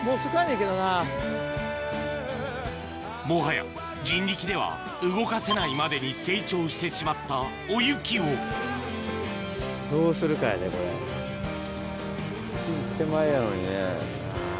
もはや人力では動かせないまでに成長してしまったおゆきを手前やのにね。